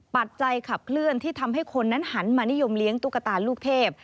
ปัจจัยขับเคลื่อนที่ทำให้คนนั้นหันมานิยมเลี้ยงตุ๊กตาลูกเทพ